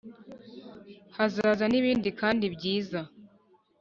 hazaza n’ibindi kandi byiza